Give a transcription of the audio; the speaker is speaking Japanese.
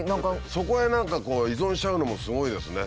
そこへ何か依存しちゃうのもすごいですね。